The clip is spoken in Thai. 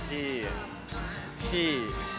ที่ที่